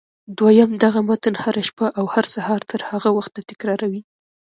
دويم دغه متن هره شپه او هر سهار تر هغه وخته تکراروئ.